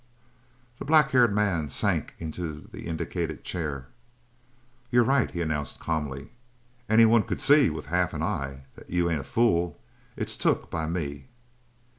The black haired man sank into the indicated chair. "You're right," he announced calmly. "Anybody could see with half an eye that you ain't a fool. It's took by me!"